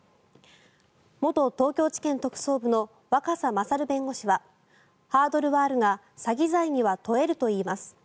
元東京地検特捜部の若狭勝弁護士はハードルはあるが詐欺罪は問えるといいます。